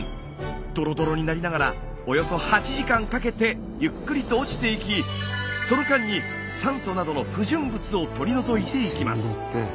どろどろになりながらおよそ８時間かけてゆっくりと落ちていきその間に酸素などの不純物を取り除いていきます。